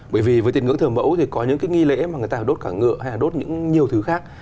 bởi vì với tiền ngưỡng thờ mẫu thì có những cái nghi lễ mà người ta đốt cả ngựa hay là đốt những nhiều thứ khác